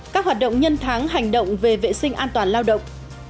các hoạt động nhân tháng hành động về vệ sinh an toàn lao động